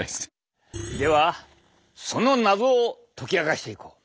ではその謎を解き明かしていこう。